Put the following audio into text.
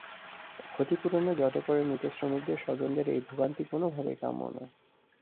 ক্ষতিপূরণের জটে পড়ে মৃত শ্রমিকদের স্বজনদের এই ভোগান্তি কোনোভাবেই কাম্য নয়।